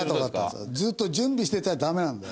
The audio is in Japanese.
ずっと準備してちゃダメなんだよ。